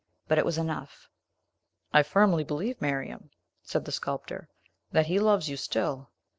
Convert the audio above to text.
But it was enough." "I firmly believe, Miriam," said the sculptor, "that he loves you still."